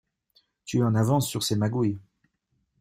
Tu es en avance sur ces magouilles.